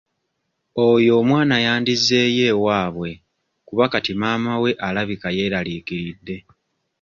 Oyo omwana yandizzeeyo ewaabwe kuba kati maama we alabika yeeraliikiridde.